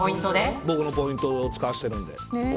僕のポイント使わしてるんで。